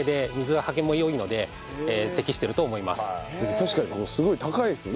確かにここすごい高いですよね。